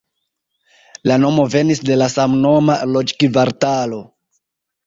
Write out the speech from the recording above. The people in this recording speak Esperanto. La nomo venis de la samnoma loĝkvartalo.